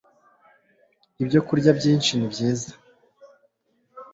ibyokurya byinshi ni byiza